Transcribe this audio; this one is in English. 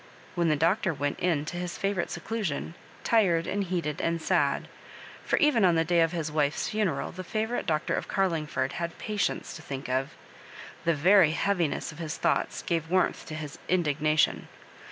When the Doctor went in to his favourite seclusion, tired and heated and sad — for even on tiie day of bis wife*s funeral tlie favourite doctor of Oarliogford had patients to think of — the very heaviness of his thoughts gave warmth to his indignation.